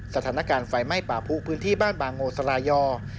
สถานการณ์ไฟไหม้ป่าผู้พื้นที่บ้านบางโงสลายอ